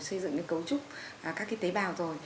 xây dựng cái cấu trúc các cái tế bào rồi